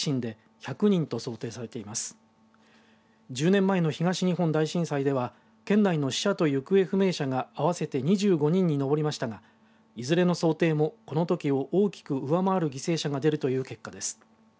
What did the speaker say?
１０年前の東日本大震災では県内の死者と行方不明者が合わせて２５人に上りましたがいずれの想定もこのときを大きく上回る犠牲者が出るという結果です。